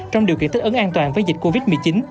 trong điều kiện thức ấn an toàn với dịch covid một mươi chín